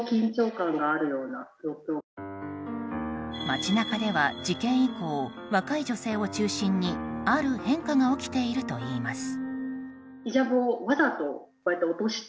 街中では事件以降若い女性を中心にある変化が起きているといいます。